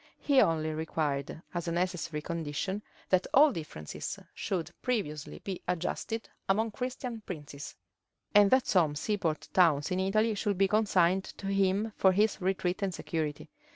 He only required, as a necessary condition, that all differences should previously be adjusted among Christian princes, and that some seaport towns in Italy should be consigned to him for his retreat and security.